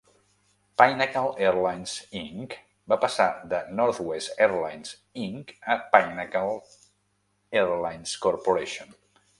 Pinnacle Airlines, Inc. va passar de Northwest Airlines, Inc. a Pinnacle Airlines Corporation.